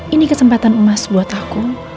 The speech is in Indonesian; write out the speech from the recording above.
ini kesempatan emas buat aku